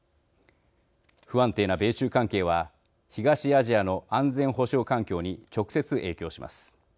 不安定な米中関係は東アジアの安全保障環境に直接影響します。